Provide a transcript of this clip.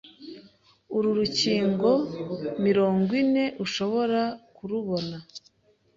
Uru rukingo mirongo ine ushobora kurubona